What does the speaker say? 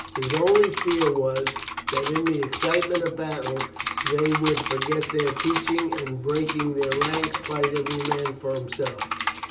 His only fear was, that in the excitement of battle they would forget their teaching, and, breaking their ranks, fight every man for himself.